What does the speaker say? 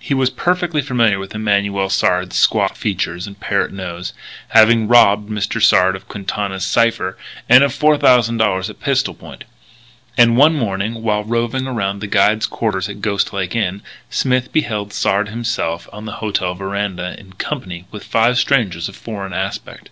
He was perfectly familiar with Emanuel Sard's squat features and parrot nose, having robbed Mr. Sard of Quintana's cipher and of $4,000 at pistol point. And one morning, while roving around the guide's quarters at Ghost Lake Inn, Smith beheld Sard himself on the hotel veranda, in company with five strangers of foreign aspect.